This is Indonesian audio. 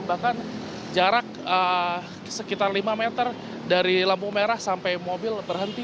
bahkan jarak sekitar lima meter dari lampu merah sampai mobil berhenti